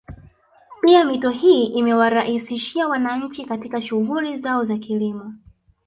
Pia mito hii imewaraisishia wananchi katika shughuli zao za kilimo